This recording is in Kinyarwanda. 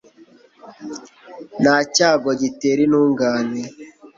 nta cyago gitera intungane